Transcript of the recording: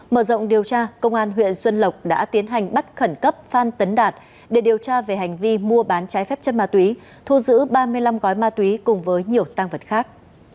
mở rộng điều tra công an huyện xuân lộc đã tiến hành bắt khẩn cấp phan tấn đạt để điều tra về hành vi mua bán trái phép chất ma túy thu giữ ba mươi năm gói ma túy cùng với nhiều tăng vật khác